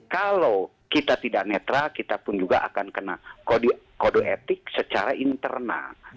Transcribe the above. kalau kita tidak netral kita pun juga akan kena kode etik secara internal